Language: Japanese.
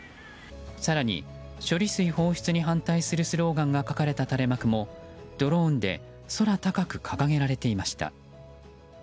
更に、処理水放出に対するスローガンが書かれた垂れ幕も、ドローンで空高く掲げられていました。